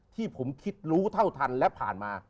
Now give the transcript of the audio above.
ที่ผมคิดรู้เท่าทันและผ่านมา